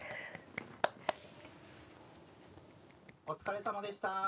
お疲れさまでした。